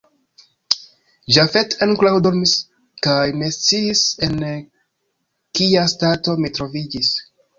Jafet ankoraŭ dormis kaj ne sciis, en kia stato mi troviĝis.